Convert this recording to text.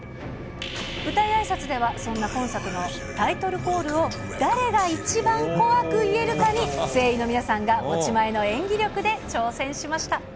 舞台あいさつでは、そんな今作のタイトルコールを誰が一番怖く言えるかに、声優の皆さんが持ち前の演技力で挑戦しました。